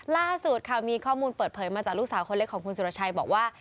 ล่าสุดค่ะมีข้อมูลเปิดเผยมาจากลูกสาวคนเล็กของคุณสุรชัยบอกว่า